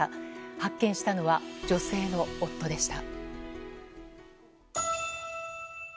発見したのは女性の夫でした。